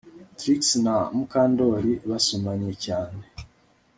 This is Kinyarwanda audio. Trix na Mukandoli basomanye cyane